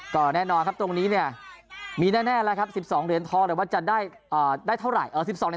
ก็แน่นอนครับตรงนี้เนี่ย